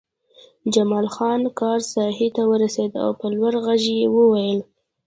جمال خان کار ساحې ته ورسېد او په لوړ غږ یې وویل